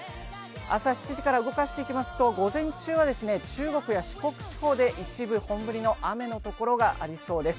朝７時から動かしていきますと、午前中は中国や四国地方で一部本降りの雨の所がありそうです。